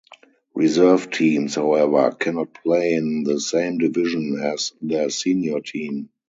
Reserve teams, however, cannot play in the same division as their senior team.